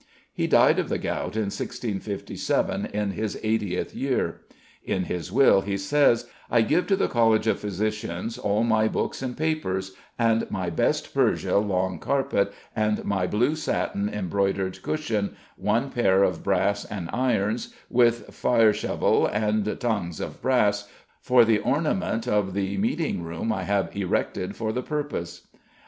He died of the gout in 1657 in his eightieth year. In his will he says: "I give to the College of Physicians all my bookes and papers, and my best Persia long carpet, and my blue satin embroyedyed cushion, one pair of brass and irons, with fireshovell and tongues of brass, for the ornament of the meeting room I have erected for the purpose.